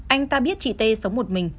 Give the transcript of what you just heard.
anh ta biết chị t sống một mình